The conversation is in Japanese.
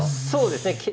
そうですね。